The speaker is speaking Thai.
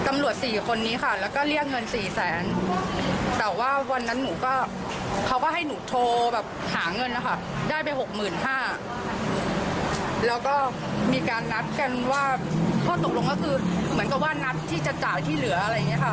มีการนัดกันว่าข้อตกลงก็คือเหมือนกับว่านัดที่จะจ่ายที่เหลืออะไรอย่างเงี้ยค่ะ